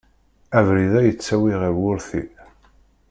Abrid-a yettawi ɣer wurti.